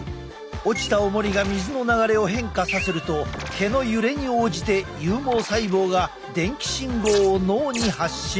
落ちたおもりが水の流れを変化させると毛の揺れに応じて有毛細胞が電気信号を脳に発信。